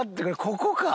ここか？